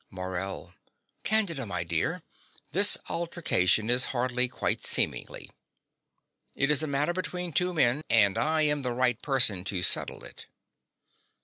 MORELL. Candida, my dear: this altercation is hardly quite seemingly. It is a matter between two men; and I am the right person to settle it.